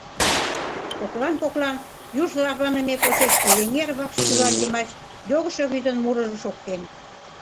Коклан-коклан юж тарваныме почеш Эреҥер вакш кӱвар йымач йогышо вӱдын мурыжо шоктен.